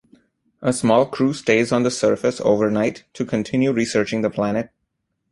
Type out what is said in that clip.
A small crew stays on the surface overnight to continue researching the planet.